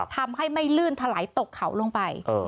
ทำให้ไม่ลื่นถลายตกเขาลงไป